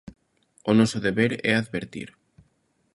O noso deber é advertir.